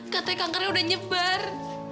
katanya kankernya udah nyebar